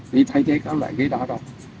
thì thay thế các loại ghế đá đó